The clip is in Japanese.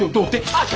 あっ！